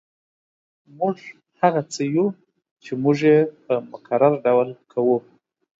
موږ هغه څه یو چې موږ یې په مکرر ډول کوو